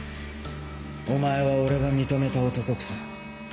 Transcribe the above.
お前は俺が認めた男くさ。